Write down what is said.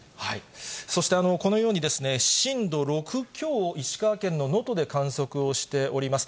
そしてこのように、震度６強を石川県の能登で観測をしております。